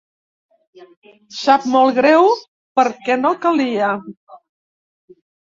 Sap molt greu perquè no calia.